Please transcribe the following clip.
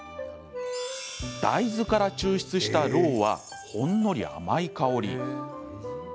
大豆から抽出したろうはほんのり甘い香り。